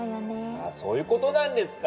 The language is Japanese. あそういうことなんですか。